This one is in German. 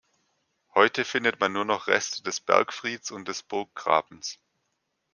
Heute findet man nur noch Reste des Bergfrieds und des Burggrabens.